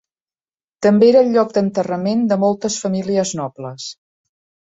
També era el lloc d'enterrament de moltes famílies nobles.